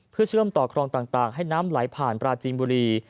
เพื่อเชื่อมต่อคลองต่างให้น้ำไหลผ่านปราจีนบุรี